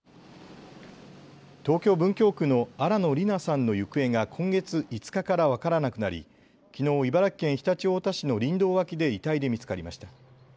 東京文京区の新野りなさんの行方が今月５日から分からなくなりきのう、茨城県常陸太田市の林道脇で遺体で見つかりました。